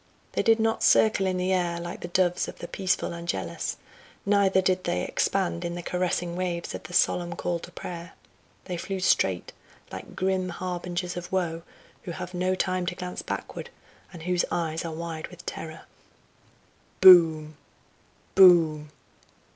They did not circle in the air like the doves of the peaceful angelus, neither did they expand in the caressing waves of the solemn call to prayer; they flew straight like grim harbingers of woe, who have no time to glance backward and whose eyes are wide with terror. "Boom! boom!